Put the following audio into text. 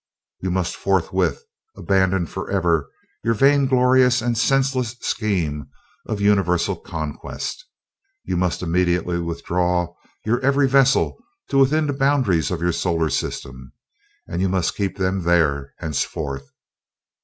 "You must forthwith abandon forever your vainglorious and senseless scheme of universal conquest. You must immediately withdraw your every vessel to within the boundaries of your solar system, and you must keep them there henceforth.